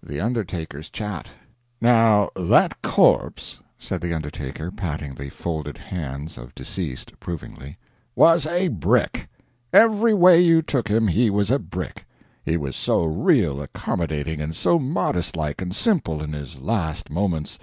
THE UNDERTAKER'S CHAT "Now that corpse," said the undertaker, patting the folded hands of deceased approvingly, "was a brick every way you took him he was a brick. He was so real accommodating, and so modest like and simple in his last moments.